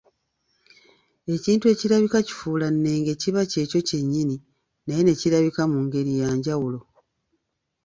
Ekintu ekirabika kifuulannenge kiba kyekyo kye nnyini naye ne kirabika mu ngeri ya njawulo